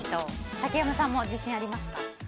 竹山さんも自信がありますか？